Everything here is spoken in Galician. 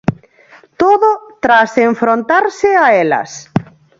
Todo tras enfrontarse a elas.